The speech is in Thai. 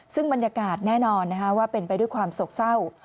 ซึ่งบรรยากาศแน่นอนว่าเป็นไปด้วยความโศกเศร้า